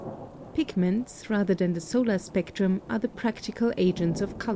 (28) Pigments, rather than the solar spectrum, are the practical agents of color work.